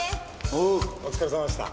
おうお疲れさまでした。